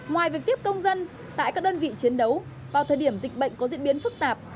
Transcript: ngoài việc tiếp công dân tại các đơn vị chiến đấu vào thời điểm dịch bệnh có diễn biến phức tạp